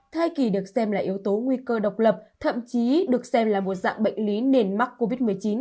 thai kỳ được xem là yếu tố nguy cơ độc lập thậm chí được xem là một dạng bệnh lý nền mắc covid một mươi chín